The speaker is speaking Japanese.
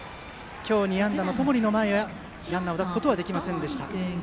今日２安打の友利の前にランナーを出すことはできませんでした。